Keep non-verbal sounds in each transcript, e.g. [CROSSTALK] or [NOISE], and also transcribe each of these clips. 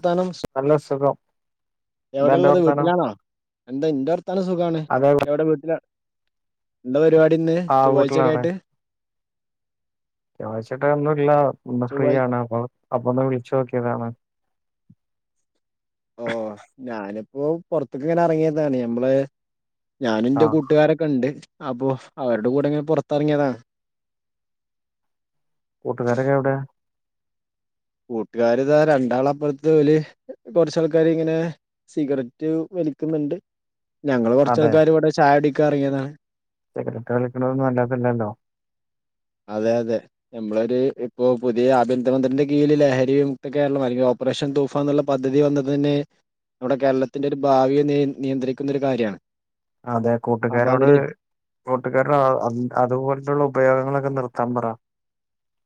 ത്താനം സ് നല്ല സുഖം? എന്താ അന്റെ എവിടെള്ളത് വർത്താനം വീട്ടിലാണോ? എന്താ ഇ ന്റെ വർത്താനം സുഖാണ്. അതെ എവിടെ വീട്ടിലാ എന്താ പരിപാടി ഇന്ന് ആ ചൊവ്വാഴ്ചൊ ക്കെ വീട്ടിലാണ് ആയിട്ട് ചൊവ്വാഴ്ച ആയിട്ട് ഒന്നുംല്ല ഇന്ന് ഫ്രീ ചൊവ്വാഴ് ആണ്. അപ്പം അപ്പ ഒന്ന് വിളിച്ചു നോക്കിയതാണ്. ഓ ഞാനിപ്പോ പൊറത്തിക്കിങ്ങനെ ഇറങ്ങിയതാണ് ഞമ്മള് ഞാനും ആ എന്റെ കു കൂട്ടുകാരൊക്കൊണ്ട് അപ്പോ അവരുടെകൂടെ ഇങ്ങനെ പൊറത്തിറങ്ങിയതാ. കൂട്ടുകാരൊക്കെ എവിടെ കൂട്ടുകാരിതാ രണ്ടാളപ്പുറത്ത് ഓല് കൊറച്ചാൾക്കാരിങ്ങനെ സിഗരറ്റ് വലിക്കുന്നുണ്ട്. അതെ ഞങ്ങളുകൊറച്ചാൾക്കാരിവിടെ ചായകുടിക്കാൻ ഇറങ്ങിയതാണ്. സിഗരറ്റ് വലിക്കണത് നല്ലതല്ലല്ലോ അതെ അതെ നമ്മളൊരു ഇപ്പോ പുതിയ ആഭ്യന്തരമന്ത്രിന്റെ കീഴിൽ ലഹരിവിമുക്ത കേരളം അല്ലങ്കി ഓ ഓപ്പറേഷൻ തൂഫാൻ എന്നുള്ള പദ്ധതി വന്നതുതന്നെ നമ്മുടെ കേരളത്തിന്റെ ഒരു ഭാവിയെ നി നിയന്ത്രിക്കുന്ന ഒരു കാര്യാണ്. അതെ അപ്പൊ കൂട്ടുകാരോട് അതില് കൂട്ടുകാരോട് അതുപോലത്തുള്ള ഉപയോഗങ്ങളൊക്കെ നിർത്താൻ പറ.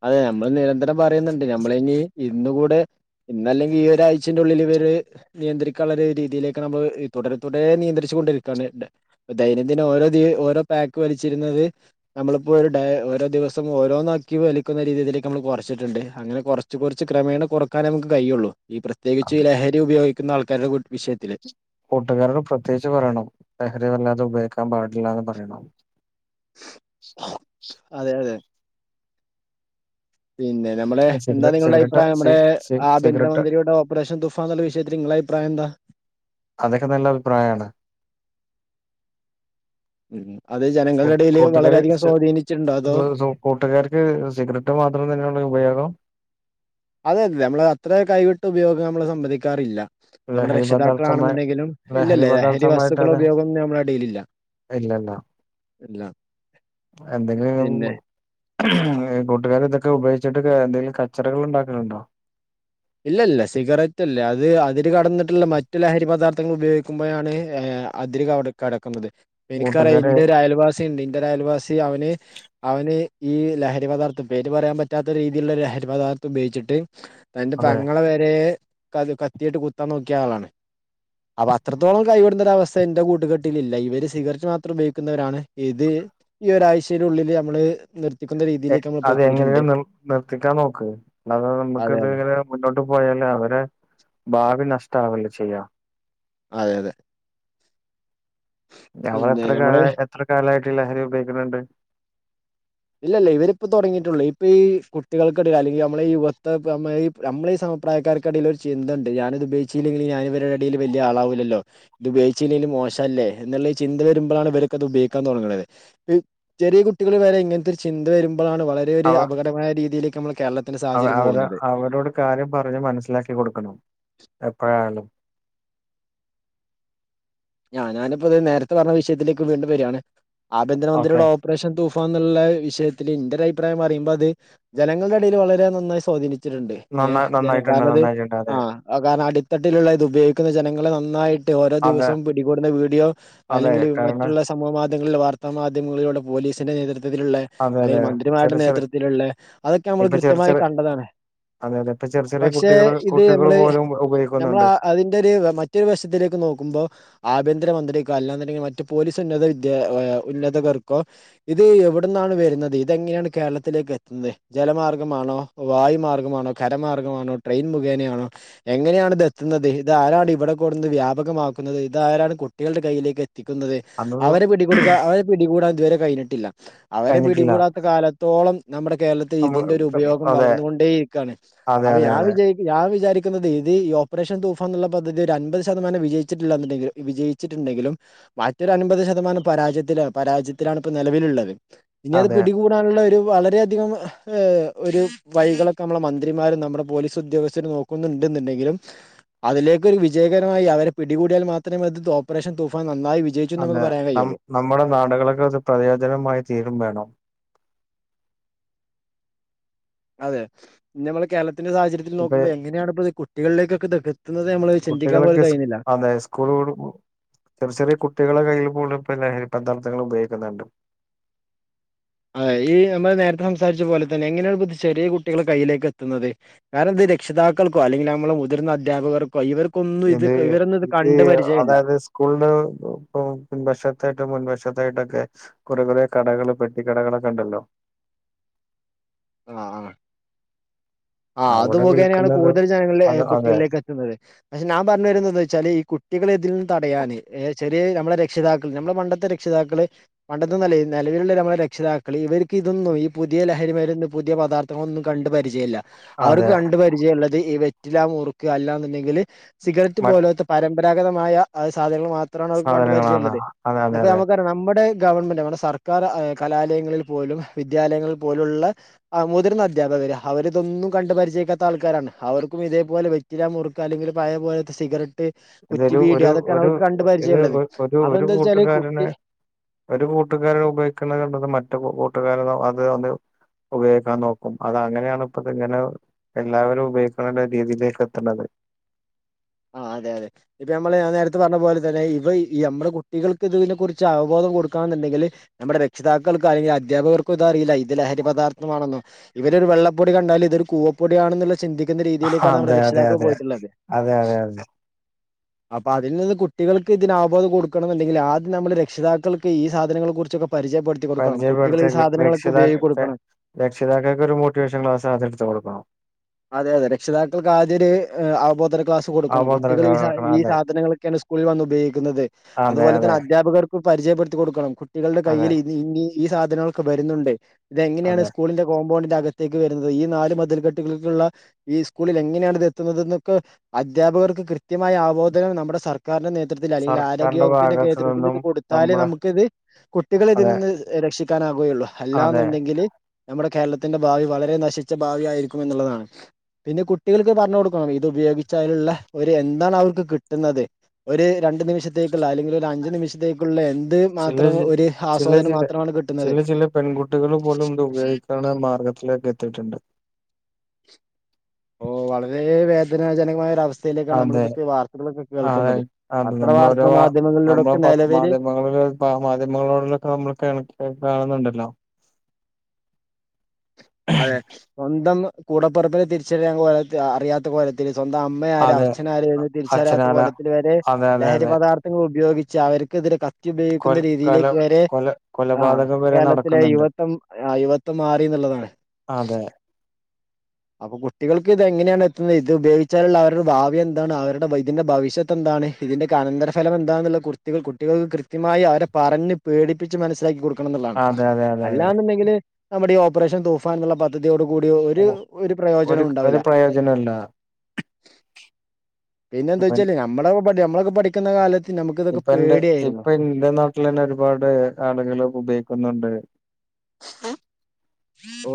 അതെ നമ്മള് നിരന്തരം പറയുന്നുണ്ട് നമ്മളിനി ഇന്നുകൂടെ ഇന്നല്ലെങ്കി ഈ ഒരാഴ്ചന്റേയുള്ളിലിവര് നിയന്ത്രിക്കാനുള്ള ഒരു രീതിയിലേക്ക് നമ്മള് തുടരെ തുടരെ നിയന്ത്രിച്ചുകൊണ്ടിരിക്കാണ്. ദൈനംദിനം ഓരോ ദി ഓരോ പാക്ക് വലിച്ചിരുന്നത് നമ്മളിപ്പോ ഒരു ഡേ ഓരോ ദിവസം ഓരോന്നാക്കി വലി ക്കുന്ന രീതിയിലേക്ക് നമ്മൾ കൊറച്ചിട്ടുണ്ട്. അങ്ങനെ കൊറച്ച് കൊറച്ച് ക്രമേണ കൊറക്കാനേ നമ്മുക്ക് കയിയൊള്ളൂ. ഈ പ്രത്യേകിച്ച് ഇ ലഹരി ഉപയോഗിക്കുന്ന ആൾക്കാരുടെ വി വിഷയത്തില്. കൂട്ടുകാരോട് പ്രത്യേകിച്ച് പറയണം ലഹരി വല്ലാതെ ഉപയോഗിക്കാൻ പാടില്ലാന്ന് പറയണം. അതെ അതെ പിന്നെ നമ്മളെ സിഗര സിഗരറ്റ് എന്താനിങ്ങളുടെ സിഗരറ്റ് അഭിപ്രായം സി നമ്മടെ സി സിഗരറ്റ് ആഭ്യന്തരമന്ത്രിയുടെ ഓപ്പറേഷൻ തുഫാന്നുള്ള വിഷയത്തിൽ നിങ്ങളുടെ അഭിപ്രായം എന്താ അതൊക്കെ നല്ല അഭിപ്രായാണ്. അത് ജനങ്ങളുടെ കൂട്ട് ഇടയിൽ കൂട്ടുകാര് വളരെയധികം സ്വാധീനിച്ചിട്ടുണ്ടോ അതോ കൂട്ടുകാർക്ക് സിഗരറ്റ് മാത്രം തന്നെയൊള്ളു ഉപയോഗം അതുതന്നെ നമ്മള് അത്ര കൈവിട്ട ഉപയോഗം നമ്മള് സമ്മതിക്കാറില്ല. നമ്മുടെ ലഹരി പദാർത്ഥമായ രക്ഷിതാക്കളാണെന്നുണ്ടെങ്കിലും ഇല്ലില്ലാ ലഹരി വസ്തുക്കളെ ഉപയോഗം നമ്മുടെ ഇടയിലില്ല. ഇല്ലല്ലോ. എല്ലാം എന്തെങ്കിലും കൂട്ടുകാർ ഇതൊക്കെ ഉപയോഗിച്ചിട്ട് എന്തെങ്കിലും കച്ചറകൾ ഉണ്ടാക്കലുണ്ടോ ഇല്ല ഇല്ലാ സിഗരറ്റ് അല്ലേ അത് അതിരുകടന്നിട്ടുള്ള മറ്റു ലഹരിപദാർഥങ്ങൾ ഉപയോഗിക്കുമ്പോഴാണ്. അതിര് കട കടക്കുന്നത് എനിക്കറിയാം കൂട്ടുകാരെ എന്റെ ഒരു അയൽവാസി ഉണ്ട് ഇന്റെ ഒരു അയൽവാസി അവന്. അവന് ഈ ലഹരിപദാർഥം പേര് പറയാൻ പറ്റാത്ത രീതിയിലുള്ള ലഹരിപദാർത്ഥം ഉപയോഗിച്ചിട്ട്. അവന്റെ അതെ പെങ്ങളെ വരെ കത് കത്തിയിട്ട് കുത്താൻ നോക്കിയ ആളാണ്. അപ്പൊ അത്രത്തോളം കൈവിടുന്നൊരു അവസ്ഥ എന്റെ കൂട്ടുകെട്ടിലില്ല ഇവര് സിഗരറ്റ് മാത്രം ഉപയോഗിക്കുന്നവരാണ് ഇത്. ഈ ഒരാഴ്ചയുടെ ഉള്ളില് നമ്മള് നിർ എ അത് എങ്ങനെയും നി നിർത്തിക്കാൻനോക്ക് അല്ലാതെ അത് അതെ നമുക്കത് അതെ ഇങ്ങനെ. മുന്നോട്ടു പോയാല് അവരെ ഭാവി നഷ്ടാവില്ലേ ചെയ്യാ. അതെയതെ. അവർ പിന്നെ നമ്മള് എത്രകാലയി എത്ര കാലായിട്ട് ലഹരി ഉപയോഗിക്കുന്നുണ്ട് ഇല്ലല്ല ഇവരിപ്പൊ തുടങ്ങിയിട്ടുള്ളൂ ഇപ്പൊ ഈ കുട്ടികൾക്കിടയിൽ അല്ലെങ്കിൽ നമ്മള് ഈ യുവത്തെ ഈ നമ്മളീ ഈ സമപ്രായക്കാർക്കിടയിൽ ഒരു ചിന്തേണ്ട് ഞാനിത് ഉപയോഗിച്ചില്ലെങ്കില് ഞാന് ഇവരുടെ ഇടയിൽ വലിയ ആളാവുല്ലല്ലോ ഇത് ഉപയോഗിച്ചില്ലെങ്കില് മോശമല്ലേ എന്നുള്ള ചിന്ത വരുമ്പളാണ് ഇവർക്കത് ഉപയോഗിക്കാൻ തോടങ്ങണത് ചെറിയ കുട്ടികളുവരെ ഇങ്ങനത്തെ ഒരു ചിന്ത വരുമ്പളാണ് വളരെ ഒരു അവ അപകടമായ രീതിയിലേക്ക് നമ്മൾ കേരള അവ അവര് അവരോട് കാര്യം പറഞ്ഞുമനസ്സിലാക്കി കൊടുക്കണം എപ്പഴായാലും. ഞാൻ ഞാനിപ്പത് നേരത്തെ പറഞ്ഞ വിഷയത്തിലേക്ക് വീണ്ടുംവരാണ് ഓക്കെ ആഭ്യന്തരമന്ത്രിയുടെ ഓ റേഷൻ തൂഫാൻ എന്നുള്ള വിഷയത്തില് എന്റൊരു അഭിപ്രായം പറയുമ്പോ അത് ജനങ്ങളുടെ ഇടയിൽ വളരെ നന്നായി സ്വാധീനി ച്ചിട്ടുണ്ട് ഏ നന്നാ ജനം നന്നായിട്ടുണ്ട് കാരണമത് നന്നായിട്ടുണ്ട് ആ അതെ കാരണം അടിത്തട്ടിലുള്ള ഇതുപയോഗിക്കുന്ന ജനങ്ങളെ നന്നായിട്ട് ഓരോ ദിവസം. അതെ പിടികൂടുന്ന വീടിയോ അതെ അല്ലെങ്കിൽ കാരണം മറ്റുള്ള സ് സമൂമാധ്യങ്ങളിൽ വാർത്താ മാധ്യമങ്ങളിലൂടെ പോലീസിൻ്റെ നേതൃത്വത്തിലുള്ള. അതെ അതെ അല്ലെങ്കിൽ മന്ത്രിമാരുടെ ചെറിയ ചെറിയ നേതൃത്വത്തിലുള്ള അതൊക്കെ നമ്മൾ ഇപ്പൊ ചെറിയ കൃത്യമായി ചെറിയ കണ്ടതാണ്. അതെ അതെ ഇപ്പ ചെറി ചെറിയ പക്ഷെ കുട്ടികൾ ഇത് കുട്ടികൾ നമ്മള് പോലും ഉപയോഗിക്ക. നമ്മൾ അതിന്റൊരു മറ്റൊരു വശത്തിലേക്ക് നോക്കുമ്പോൾ. ആഭ്യന്തരമന്ത്രിരിക്കോ അല്ലാന്നുണ്ടെങ്കിൽ മറ്റ് പോലീസ് ഉന്നത വിദ്യ ഉന്നതകർക്കോ. ഇത് എവിടന്നാണ് വരുന്നത് ഇതെങ്ങനെയാണ് കേരളത്തിലേക്ക് എത്തുന്നത് ജലമാർഗ്ഗമാണോ? വായു മാർഗമാണോ കരമാർഗണോ ട്രെയിൻ മുഖേനയാണോ? എങ്ങനെയാണ് ഇത് എത്തുന്നത് ഇത് ആരാണ് ഇവിടെ കൊടന്ന് വ്യാപകമാ ന്നത് ഇതാരാണ് കുട്ടികളുടെ കയ്യിലേക്ക് എത്തിക്കുന്നത് അന്നൊന്നും അവരെ പിടികൊടുക്കുക അവ പിടികൂടാ ഇതുവരെ കഴിഞ്ഞിട്ടില്ല അവരെ കഴിഞ്ഞിട്ടില്ല പിടികൂടാത്ത കാലത്തോളം നമ്മുടെ കേരളത്തി ൽ നമ്മൾ ഇതിന്റെ ഒരു ഉപയോഗം അതെ വളർന്നു കൊണ്ടേ ഇരിക്കാണ് അതെ അപ്പ അതെ ഞാൻ അതെ വിജാ ഞാൻ വിചാരിക്കുന്നത് ഇത് ഈ ഓപ്പറേഷൻ തൂഫാനെന്നുള്ള പദ്ധതി ഒരു അൻപത് ശതമാനം വിജയിച്ചു. ച്ചിട്ടില്ലണ്ടെ വിജയിച്ചിട്ടുണ്ടെങ്കിലും. മറ്റൊരു അൻപത് ശതമാനം പരാജയത്തില പരാജയത്തിലാണ് ഇപ്പ നിലവിലുള്ളത് ഇനി അത് അതെ പിടികൂട എന്ന ഒരു വളരെയധികം ഏഹ് ഒരു. വൈകളൊക്കെ നമ്മളുടെ മന്ത്രിമാരും നമ്മുടെ പോലീസ് ഉദ്യോഗസ്ഥരും നോക്കുന്നുണ്ട് എന്നുണ്ടെങ്കിലും അതിലേക്കൊരു വിജയകരമായി അവരെ പിടികൂടിയാൽ മാത്രമേ അത് ഓപ്പറേഷൻ തൂഫാൻ നന്നായി വിജയിച്ചുന്ന് അതെ നമുക്ക് പറയാൻ ന കഴിയുള്ളൂ. നമ്മുടെ നാടുകളൊക്കെ ഒരു പ്രയോജനമായി തീരും വേണം. അതെ ഇനി നമ്മള് കേരളത്തിന്റെ സാഹചര്യത്തിൽ ഇപ്പൊ നോക്കുമ്പോൾ എങ്ങനെയാണ് ഇപ്പോ കുട്ടികളിലേക്കൊക്കെ. എത്തുന്നത് നമ്മള് ചിന്തിക്കാൻ പോലും കുട്ടികളൊക്കെ സ് കഴിയുന്നില്ല. അതെ സ്കൂൾ വിടുമ്പോ ചെറിയ ചെറിയ കുട്ടികളെ കയ്യിൽ പോലും ഇ ലഹരി പദാർത്ഥങ്ങൾ ഉപയോഗിക്കുന്നുണ്ട് അത ഈ നമ്മള് നേരത്തെ സംസാരിച്ച പോലെ തന്നെ എങ്ങനെയാണ് പോ ചെറിയ കുട്ടികെ കയ്യിലേക്ക് എത്തുന്നത് കാരണം ഇത് രക്ഷിതാക്കൾക്കോ അല്ലെങ്കിൽ നമ്മെ മുതിർന്ന അധ്യാപകർക്കോ ഇവർ ഒന്നും ഇത് ഇവരൊന്നും ഇത് കണ്ട് പരിചയം ഇല്ല സ്കൂള പിൻവശത്തായിട്ടും മുൻവശത്തായിട്ടൊക്കെ കുറെ കുറേ കടകള് പെട്ടിക്കടകളൊക്കെ ഉണ്ടല്ലോ ആഹ് ആഹ് ആ അത് അവിടെ മുഖേനെയാണ് വിൽക്കുന്നത് കൂടുതൽ ജനങ്ങളിൽ അത് അതെ കുട്ടികളിലേക്ക് എ [UNINTELLIGIBLE] പക്ഷെ ഞാൻ പറഞ്ഞു വരുന്നത് എന്താന്ന് വെച്ചാല് ഈ കുട്ടികളെ ഇതിൽ നിന്ന് തടയാൻ ഏഹ് ചെറിയ നമ്മളെ രക്ഷിതാക്കൾ നമ്മുടെ പണ്ടത്തെ രക്ഷിതാക്കള് പണ്ട നില നിലവിലുള്ള നമ്മുടെ രക്ഷിതാക്കള് ഇവർക്ക് ഇതൊന്നും ഈ പുതിയ ലഹരി മരു പുതിയ പദാർത്ഥങ്ങളൊന്നും കണ്ട് പരിചയല്ല അവർക്ക് അതെ കണ്ട പരി ള്ളത് ഈ വെറ്റില നുറുക്ക അല്ലാ എന്നുണ്ടെങ്കിൽ സിഗരറ്റ് മ പോലത്തെ പരമ്പരാഗതമായ സാധനകൾ മാത്രമാണ് അവർക്ക് കണ്ടുപരിചയ സാധനങ്ങളാണ് ഉള്ളത് അതെ അതെ ഇപ്പോ അതെ നമുക്ക് നമ്മുടെ ഗവൺമെന്റ് സർക്കാർ കലാലയങ്ങളിൽ പോലും വിദ്യാലയങ്ങളിൽ പോലും ഉള്ള ആഹ് മുതിർന്ന അധ്യാപകര് അവർ ഇതൊന്നും കണ്ട് പരിചയക്കാത്ത ആൾക്കാരാണ് അവർക്കും ഇതേപോലെ വെറ്റില മുറുക്ക് അല്ലെങ്കിൽ പയ പോലത്തെ സിഗററ്റ് കുറ്റി ഇതൊരു വീടി ഒരു അതൊക്കെയാണ് ഒരു അവക്ക് കണ്ട് പരിചയം ഇത് ഉള്ളത് ഒ- ഒരു അപ്പൊ ഒരു എന്താ വെച്ചാല് കൂട്ടുകാരന് കുട്ടി ഒരു കൂട്ടുകാര ഉപയോഗിക്കുന്നത് കണ്ടത് മറ്റ കൂട്ടുകാര അത് ഉപയോഗിക്കാൻ നോക്കും അത അങ്ങനെയാണ് ഇപ്പത്തെ ചെല എല്ലാവരും ഉപയോഗിക്കണ രീതിയിലേക്ക് എത്തണത് ആഹ് അതെ അതെ ഇപ്പ നമ്മള് ഞാ നേരത്തെ പറഞ്ഞ പോലെ തന്നെ ഇവ ഈ നമ്മുടെ കുട്ടികൾക്ക് ഇതിനെ കുറിച്ച് അവബോധം കൊടുക്കുകാ എന്നുണ്ടെങ്കില് നമ്മുടെ രക്ഷിതാക്കൾക്കും അല്ലെങ്കിൽ അധ്യാപകർക്കും ഇത അറിയില്ല ഇത് ലഹരി പദാർത്ഥംമാണെന്നോ ഇവര് ഒരു വെള്ള പൊടി കണ്ടാലും ഇതൊരു കൂവ പൊടിയണെന്നുള്ള ചിന്തിക്കുന്ന രീതിയിലേക്കാണ് നമ്മുടെ അതെ അതെ രക്ഷിതാക്ക അതെ പോയിട്ടുള്ളത് അതെ അതെ അതെ അപ്പൊ അതിൽ നിന്ന് കുട്ടികൾക്ക് ഇതിനാബോധം കൊടുക്കണം എന്നുണ്ടെങ്കിൽ ആദ്യം നമ്മള് രക്ഷിതാക്കൾക്ക് ഈ സാധനങ്ങളെ കുറിച്ചൊക്കെ പരിചയപ്പെടുത്തി കൊടുക്കണം കുട്ടികൾ പരിചയപ്പെടുത്ത ഈ സാധനങ്ങളൊക്കെ ഉപയോഗിക്ക രക്ഷിതാക്ക കൊടുക്കണം രക്ഷിതാക്കൾക്ക് ഒരു മോട്ടിവേഷൻ ക്ലാസ് ആത്യം എടുത്ത് കൊടുക്കണം അതെ അതെ രക്ഷിതാക്കൾക്ക് ആദ്യ ഒരു അവബോധക ക്ലാസ്സ് കൊടുക്കണം കുട്ടികൾ ഈ സ അവബോധവൽക്കരണം ഈ അതെ സാധനങ്ങൾ സ്കൂളിൽ വന്ന് ഉപയോഗിക്കുന്നത് അതെ അതുപോലെ തന്നെ അതെ അധ്യാപകർ പരിചയപ്പെടുത്തി കൊടുക്കണം കുട്ടികളുടെ അതെ കയ്യിൽ ഇ ഇനി ഈ സാധനങ്ങൊക്കെ വരുന്നുണ്ട് ഇതെങ്ങനെയാണ് അതെ സ്കൂളിന്റെ കോമ്പൗണ്ടിന്റെ അകത്തേക്ക് വരുന്നത് ഈ നാല് മതിൽ കെട്ടുകൾ ഈ സ്കൂളിൽ എങ്ങനെയാാണ് ഇത് എത്തുന്നത് എന്നൊക്കെ അധ്യാപകർക്ക് കൃത്യമായ ആവോധനം നമ്മുടെ സർക്കാ ക്കാന്റെ നേതൃത്ത്തിൽ അല്ലെങ്കിൽ സർക്കാരിന്റെ ആരോഗ്യവകുപ്പിന്റെ ഭാഗത്തു കേന്ദ്രത്തിൽ ഇത് നിന്നും കൊടുത്താല് നമ്മുടെ നമുക്കിത് കുട്ടികള ഇതിൽ അതെ നിന്ന് രക്ഷിക്കാനാകുകയുള്ളു അല്ലാ അതെ ന്നുണ്ടെങ്കില് നമ്മുടെ കേരളത്തിന്റെ ഭാവി വളരെ നശിച്ച ഭാവി ആയിരിക്കും എന്നുള്ളതാണ് പിന്നെ കുട്ടികൾക്ക് പറഞ്ഞു കൊടുക്കണം ഇത് ഉപയോഗിച്ച അതിലുള്ള ഒരു എന്താണ് അവർക്ക് കിട്ടുന്നത് ഒരു രണ്ടു നിമിഷത്തേക്കുള്ള അല്ലെങ്കിൽ ഒരു അഞ്ചു നിമിഷത്തേക്കുള്ള എന്ത് ചില മാത്രം ജി- ഒരു ആസ്വാദനം ചില മാത്രമാണ് കിട്ടുന്നത് ചില ചില പെൺകുട്ടികൾ പോലും ഇത് ഉപയോഗിക്കുന്ന മാർഗത്തിലേക്കെ എത്തിയിട്ടുണ്ട് ഓ വളരെ വേദനാജനകമായ ഒരു അവസ്ഥ യിലേക്ക നമ്മള അതെ ഇതൊക്കെ വാർത്തകളൊക്കെ അതെ കേൾക്കുന്നത് അതെ പത്ര നമ്മള് ഓരോ വാർത്താ മാധ്യമങ്ങളിലൂടെൊക്കെ നീലവില് ഇപ്പ മാധ്യമങ്ങളോടുക്കെ നമ്മൾ കാണുന്നുണ്ടല്ലോ [INAUDIBLE] അതെ സ്വന്തം കൂടപ്പറപ്പിൽ തിരിച്ചറിയാൻ പോല അറിയാത്ത പോല സ്വന്തം അമ്മയ ആര് അതെ അച്ഛനാര് എന്ന് തിരിച്ചറിയാത്ത അച്ഛനാന കൊലത്തിൽ വരെ അതെ അതെ ലഹരി അതെ പദാർത്ഥം ൾ ഉപയോഗിച്ച് അവർക്ക് എതിരെ കത്തി കൊ ഉപയോഗിക്കുന്ന കൊല രീതിയിലേക്ക് വരെ കൊല ആ കൊലപാതകം വരെ കേരളത്തിലെ നടക്കുന്നുണ്ട് യുവത്വം ആ യുവത്വം മാറി ന്നുള്ളതാണ് അതെ അപ്പൊ കുട്ടികൾക്ക് ഇത എങ്ങനെയാണ് എത്തുന്നത് ഇത് ഉപയോഗിച്ചാലുള്ള അവരുടെ ഭാവി എന്താണ് അവരുടെ ഇതിന്റെ ഭവിഷ്യത്ത് എന്താണ് ഇതിന്റൊക്കെ അനന്തരഫലം എന്താന്നുള്ള കുർത്തികൾ കുട്ടികൾക്ക് കൃത്യമായി അവരെ പറഞ്ഞ് പേടിപ്പിച്ച് മനസ്സിലാക്കി കൊ ണുള്ളതാണ് അതെ അതെ അതെ അല്ലാന്നുണ്ടെങ്കിൽ നമ്മുടെ ഈ ഓപ്പറേഷൻ തൂഫാൻ എന്നുള്ള പദ്ധതിയോട് കൂടി ഒരു ഒരു പ്രയോജനവും ഒരു ഉണ്ടാവില്ല പ്രയോജനംല്ല പിന്നെന്താ ഇപ്പ വച്ചല് നമ്മുടെ നമ്മളൊക്കെ പഠിക്കുന്ന കാലത്ത് നമുക്ക് ഇതൊക്കെ ഇപ്പ എന്റെ പേടിയായിരുന്നു ഇപ്പൊ എന്റെ നാട്ടിൽ തന്നെ ഒരുപാട് ആളുകൾ ഉപയോഗിക്കുന്നുണ്ട് ഓ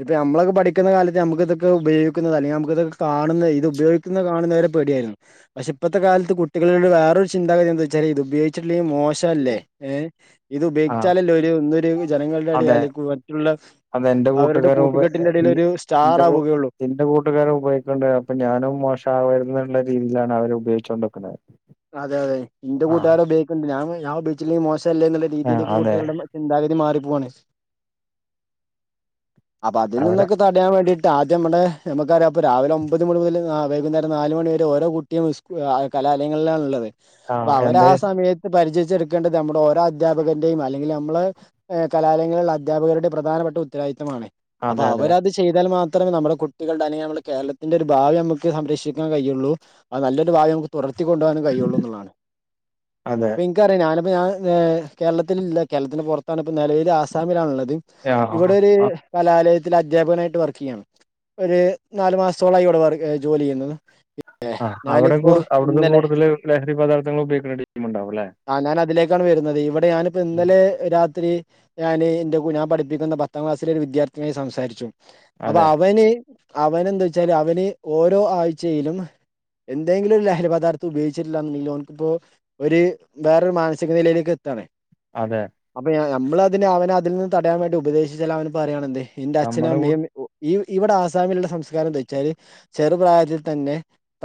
ഇപ്പൊ നമ്മളൊക്കെ പഠിക്ക കാലത്ത് നമക്ക ഇതൊക്കെ ഉപയിക്കുന്നത്ല്ലങ്കിൽ നമുക്കതൊക്കെ കാണുന്നത് ഇത് ഉപയോഗ കാണുന്നവരെ പേടിയായിരുന്നു പക്ഷെ ഇപ്പത്തെ കാലത്ത് കുട്ടികളട് വേറൊരു ചിന്താതിന്താ വച്ചല് ഇത് ഉപയോഗിച്ചിട്ടില്ലെങ്കി മോശം - - ല്ലേ ഇത് ആ ഉപയോഗിച്ചാലല്ലേ ഒരു ഇന്നൊരു ജനങ്ങളുടെ എടയിൽ അത എന്റെ കൂട്ടുകാരും ഉപ കൂട്ടുകെട്ടിന്റെ ഇടയിൽ ഒരു സ്റ്റാർ ഇന്റെ കൂ ആവുകയുള്ളൂ നിന്റെ കൂട്ടുകാരും ഉപയോഗിക്കണ്ട് അപ്പൊ ഞാനും മോശ ആകുന്നുള്ള രീതിയിലാണ് അവര് ഉപയോഗിച്ചുകോണ്ടിക്കുന്നത് അതെ അതെ എന്റെ കൂട്ടുകാരടെ ഉപയോക്ക്ക്കുണ്ട് ഞാൻ ഉപയോഗിച്ചില്ലങ്കി മോശം അല്ലെ എന്നുള്ള ആ രീതിയിലേക്ക് അതെ കുട്ടികളുടെ ചിന്താഗതി മാറി പോവാണ് അപ്പൊ അതിൽ അവരെ നിന്നൊക്കെ അ അടയാൻ വേണ്ടിയിട്ട് ആദ്യ നമ്മ നമുക്കറിയാംപ്പോ രാവിലെ ഒമ്പത് മണി മുതൽ വൈകുന്നേരം നാലുമണിവ വരെ ഓരോകുട്ടിയും കലാലയങ്ങളിലണള്ളത് ആ അപ്പൊ അവര് എന്ത് ആ സമയത്ത് പരിചയച്ചെടുക്കേണ്ടത് നമ്മുടെ ഓരോ അധ്യാപകന്റെയും അല്ലെങ്കിൽ നമ്മള് കലാലയങ്ങളിലുള്ള അധ്യാപകരുടെ പ്രധാനപ്പെട്ട ഉത്തരവാദിത്തവമാണ് അപ്പൊ അതെ അതെ അവരത് ചെയ്താൽ മാത്രമേ നമ്മുടെ കുട്ടികളുടെ അല്ലെങ്കിൽ നമ്മുടെ കേരളത്തിന്റെ ഒരു ഭാവി നമുക്ക് സംരക്ഷിക്കാൻ കഴിയുള്ളൂ അത് നല്ലൊരു ഭാവി നമുക്ക് തുടർത്തി കൊണ്ട് പോകാനും കഴിയൊള്ളൂ എന്നുള്ളതാണ് അതെ ക്കറിയാം ഞാനിപ്പോൾ ഞാൻ കേരളത്തിലില്ല കേരളത്തിന് പുറത്താണ് ഇപ്പോൾ നെലവിൽ ആസാമിലാണള്ളത് ആ ഇവിടെ ഒരു ആ കലാലയത്തി അധ്യാപകനായിട്ട് വർക്ക് ചെയ്യാണ് ഒരു നാല് മാസത്തോളായി ഇവിടെ വർ ജോലി ചെയ്യുന്നത് ആഹ് അവിടെ കൂ ഞാനിപ്പോ അവിടന്ന് ഇന്നലെ കൂടുതൽ ലഹരി പദാർത്ഥങ്ങൾ ഉപയോഗിക്കേണ്ട ടീം ഉണ്ടാവും ല്ലേ ആ ഞാന അതിലേക്കാണ് വരുന്നത് ഇവിടെ ഞാനിപ്പോ ഇന്നലെ രാത്രി ഞാന് എന്റെ ഞാൻ പഠിപ്പിക്കുന്ന പത്താം ക്ലാസ്സില ഒരു വിദ്യാർത്ഥിനിയായി സംസാരിച്ചു അപ്പൊ അതെ അവന് അവന് എന്താ വെച്ചാല് അവന് ഓരോ ആഴ്ചയിലും എന്തെങ്കിലും ല ഹരി പദാർത്ഥം ഉപയോഗിച്ചിട്ടില്ല ന്ന്ണ്ടെങ്കില് ഓൻക്ക്പ്പോ ഒര് വേറൊരു മാനസിക നിലയിലേക്ക് എത്താണ്. അതെ അപ്പൊ നമ്മള് അതിന് അവനെ അതിൽ നിന്ന് തടയാ വേണ്ടി ഉപദേശിച്ചാല് അവന് പറയാണ് എന്ത് ഇന്റെ അച്ഛനും നമ്മുടെ കൂ അമ്മയും ഈ ഇവടെ ആസാമിലുള്ള സംസ്കാരം എന്താ ച്ചാല് ചെറുപ്രായത്തിൽ തന്നെ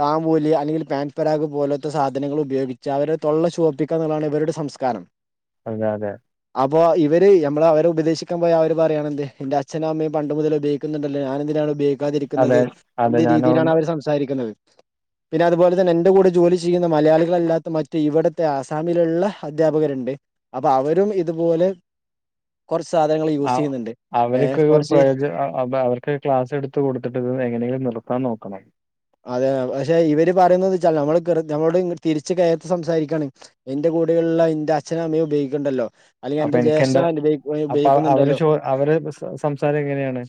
താമ്പൂലി അല്ലെങ്കിൽ പാൻ പരാഗ് പോലോത്തെ സാധനങ്ങള് ഉപയോഗിച്ച് അവരെ തൊള്ള ചുവപ്പിക്ക എന്ന്ള്ളാണ് ഇവരുടെ സംസ്കാരം. അതെ അതെ അപ്പൊ ഇവര് ഞമ്മള് അവരെ ഉപദേശിക്കാൻ പോയാ അവര് പറയാണെന്ത് ന്റെ അച്ഛനും അമ്മയും പണ്ട് മുതൽ ഇത് ക്ക്ന്ന്ണ്ടല്ലോ ഞാനെന്തിനാണ് ഉപയേ അതെ ക്കാതിരിക്കുന്നത് അതെ എന്ന ഞാന രീതിയിലാണ് അവര് സംസാരിക്ക്ന്നത്. പിന്നെ അതുപോലെ തന്നെ ഇന്റകൂടെ ജോലി ചെയ്യുന്ന മലയാളികളല്ലാത്ത മറ്റ് ഇവടത്തെ ആസാമിലുള്ള അധ്യാപകര്ണ്ട്. അപ്പൊ അവരും ഇതുപോലെ കൊർച്ച് സാധനങ്ങള് ആഹ് അവർക്ക് പ്രയോജനം അ അവർ ക്ലാസ് എട്ത്ത് കൊട്ത്തിട്ട് ത് എങ്ങനെങ്കിലും നിർത്താൻ നോക്കണം. അതെ പക്ഷെ ഇവര് പറയുന്നത് വച്ചാ നമ്മള് നമ്മള് തിരിച്ച് കെയർത്ത് സംസാരിക്കാണ്. ഇന്റെ കൂടെയുള്ള ഇന്റെ അച്ഛനും അമ്മയും ഉപയോഗിക്ക്ണ്ടല്ലോ അല്ലെങ്കി അപ്പൊ എന്റെ ജ്യേഷഠ ഉപയോഗിക്ക്ന്ന്ണ്ടല്ലോ? അവരെ സംസാരം ഇങ്ങനെയാണ്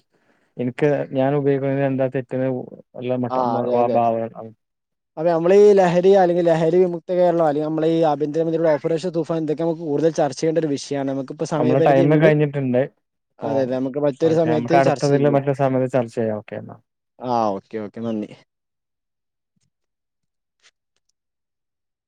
ഇൻക്ക് ഞാൻ ഉപയോഗിക്കുന്നതിന് എന്താ തെറ്റ് ആഹ് അതെ അതെ അപ്പൊ നമ്മളെ ഈ ലഹരി അല്ലങ്കി ലഹരി വിമുക്ത കേരളം അല്ലെങ്കി നമ്മളെ ഈ ആഭ്യന്തരമന്ത്രിടെ ഓപ്പറേഷൻ തൂഫ് ഇപ്പോ എന്തൊക്കെ നമ്മക്ക് കൂടുതൽ ചർച്ചെയ്യേണ്ട ഒരു വിഷയാണ് മ്മക്ക് നമ്മളെ ടൈമ് കഴിഞ്ഞിട്ട്ണ്ട്. അപ്പ അതെ അതെ നമുക്ക് മറ്റൊരു ഓക്കെ സമയത്ത് നമുക്ക് അടുത്തതില് മറ്റൊരു സമയത്ത് ചർച്ച ചെയ്യാം ഓക്കെ എന്നാ ആഹ് ഓക്കെ ഓക്കെ നന്ദി